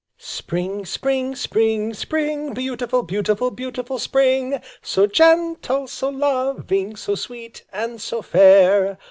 "Spring! Spring! Spring! Spring! Beautiful, beautiful, beautiful Spring! So gentle, so loving, so sweet and so fair!